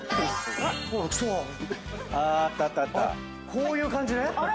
「こういう感じね」